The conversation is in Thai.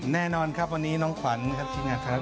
แน่นอนครับวันนี้น้องขวัญครับทีมงานครับ